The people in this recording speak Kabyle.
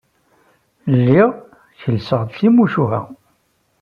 Lliɣ kellseɣ-d timucuha.